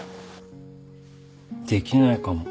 できないかも。